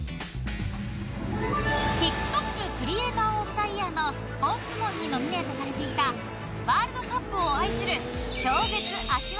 ＴｉｋＴｏｋクリエーターオブザイヤーのスポーツ部門にノミネートされていたワールドカップを愛する超絶足技